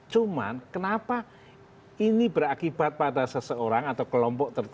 cuma kenapa ini berakibat pada seseorang atau kelompok tertentu